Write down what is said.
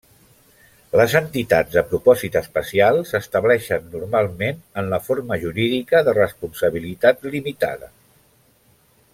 Les entitats de propòsit especial s'estableixen normalment en la forma jurídica de responsabilitat limitada.